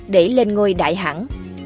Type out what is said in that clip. để lên ngôi đại hẳn